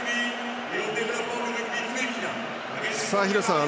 廣瀬さん